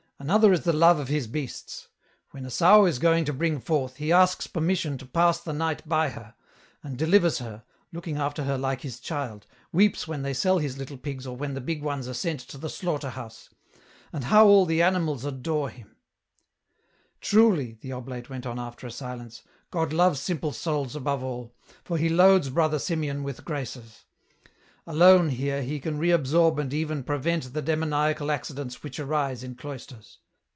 Another is the love of his beasts. When a sow is going to bring forth, he asks permission to pass the night by her, and delivers her, looking after her like his child, weeps when they sell his little pigs or when the big ones are sent to the slaughter house ! And how all the animals adore him !" Q 226 EN ROUTE. " Truly," the oblate went on, after a silence, " God loves simple souls above all, for he loads Brother Simeon with graces. Alone, here, he can reabsorb and even prevent the demoniacal accidents which arise in cloisters.